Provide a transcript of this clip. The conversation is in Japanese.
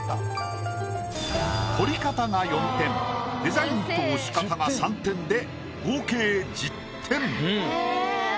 彫り方が４点デザインと押し方が３点で合計１０点。